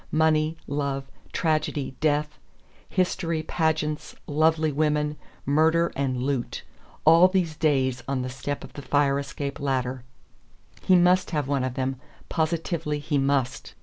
Money, love, tragedy, death; history, pageants, lovely women; murder and loot! All these days on the step of the fire escape ladder! He must have one of them; positively he must.